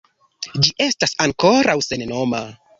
Ĝi estas ankoraŭ sennoma.